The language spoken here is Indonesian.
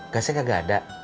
gasnya nggak ada